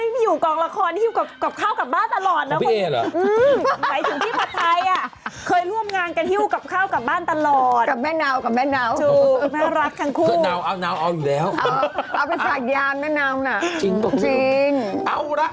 บอกวันได้ยังครับตอนนี้บอกวันได้ยังคะ